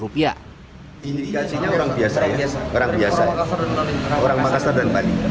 indikasinya orang biasa ya orang makassar dan bali